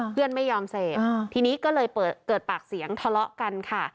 เพื่อนไม่ยอมเสพทีนี้ก็เลยเกิดปากเสียงทะเลาะกันค่ะ